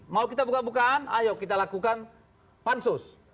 mau kita buka bukaan ayo kita lakukan pansus